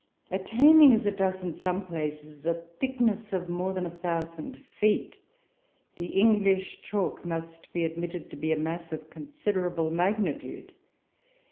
Attaining, as it does in some places, a thickness of more than a thousand feet, the English chalk must be admitted to be a mass of considerable magnitude.